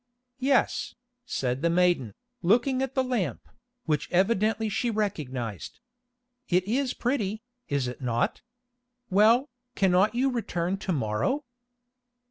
"Yes," said the maiden, looking at the lamp, which evidently she recognised. "It is pretty, is it not? Well, cannot you return to morrow?"